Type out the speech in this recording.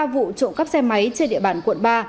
ba vụ trộm cắp xe máy trên địa bàn quận ba